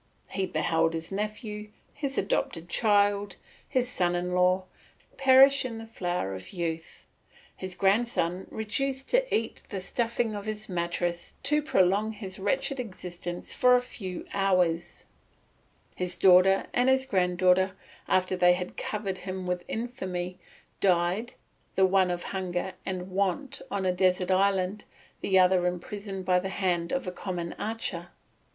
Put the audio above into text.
He beheld his nephew, his adopted child, his son in law, perish in the flower of youth, his grandson reduced to eat the stuffing of his mattress to prolong his wretched existence for a few hours; his daughter and his granddaughter, after they had covered him with infamy, died, the one of hunger and want on a desert island, the other in prison by the hand of a common archer.